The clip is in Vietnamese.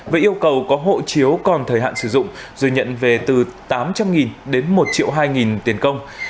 với yêu cầu có hộ chiếu còn thời hạn sử dụng rồi nhận về từ tám trăm linh đến một hai trăm linh tiền công